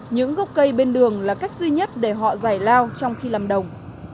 những gốc cây bên đường là cách duy nhất để họ giải lao trong khi làm đồng